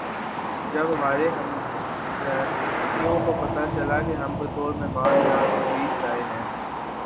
جب ہمارے ہمراہیوں کو پتہ چلا کہ ہم بطور مہمان یہاں تشریف لائے ہیں